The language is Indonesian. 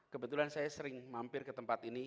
kebetulan saya sering mampir ke tempat ini